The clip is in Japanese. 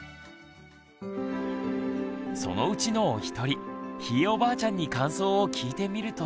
そのうちのお一人ひいおばあちゃんに感想を聞いてみると。